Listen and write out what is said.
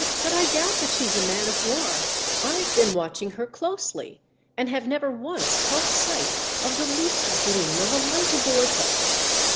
" But 1 doubt that she's a man of war. I've been watching her closely and have never once caught sight of the least gleam of a light aboard her."